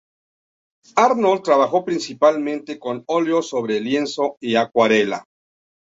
Arnold trabajó principalmente con oleo sobre lienzo y acuarela.